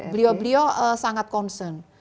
beliau beliau sangat concern